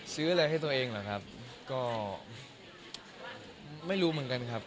ซื้ออะไรให้ตัวเองเหรอครับก็ไม่รู้เหมือนกันครับ